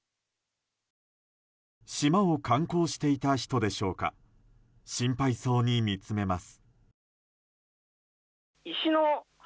島を観光していた人でしょうか心配そうに見つめます。